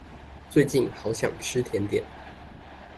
最近好想吃甜點